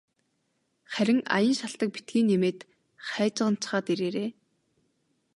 Харин аян шалтаг битгий нэмээд жайжганачхаад ирээрэй.